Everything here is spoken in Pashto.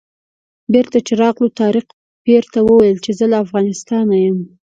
بېرته چې راغلو طارق پیر ته وویل چې زه له افغانستانه یم.